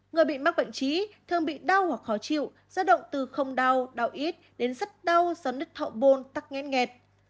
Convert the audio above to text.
người bị mắc bệnh trí thường bị đau hoặc khó chịu ra động từ không đau đau ít đến rất đau do nứt hậu môn tắc nghẹt nghẹt